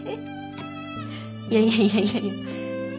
いやいやいや。